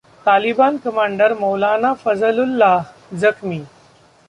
'Taliban commander मौलाना फजलुल्लाह जख्मी'